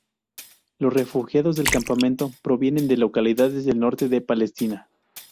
Los refugiados del campamento provienen de localidades del norte de Palestina.